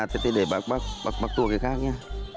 thế để bác tuổi cái khác nhé